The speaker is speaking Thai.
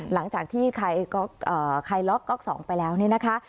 หลังจากที่คลายล็อกก๊อก๒ไปแล้วเนี่ยนะคะ